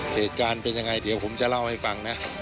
เหตุการณ์เป็นยังไงเดี๋ยวผมจะเล่าให้ฟังนะ